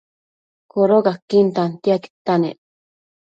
Codocaquin tantiaquidta nec